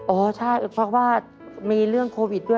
อ๋อใช่เพราะว่ามีเรื่องโควิดด้วย